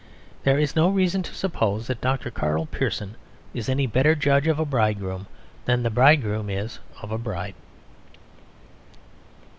There is no reason to suppose that Dr. Karl Pearson is any better judge of a bridegroom than the bridegroom is of a bride.